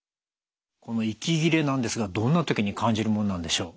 この息切れなんですがどんな時に感じるものなんでしょう？